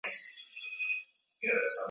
naam naam bwana singoro asante sana naa